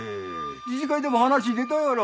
自治会でも話出たやろ。